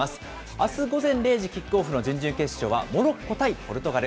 あす午前０時キックオフの準々決勝は、モロッコ対ポルトガル。